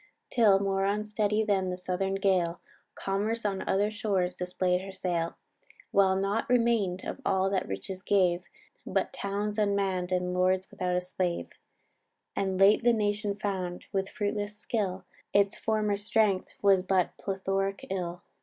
Till, more unsteady then the southern gale, Commerce on other shores display'd her sail; While naught remain'd of all that riches gave, But towns unmann'd, and lords without a slave; And late the nation found, with fruitless skill, Its former strength was but plethoric ill.